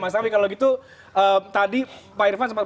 mas awi kalau gitu tadi pak irvan sempat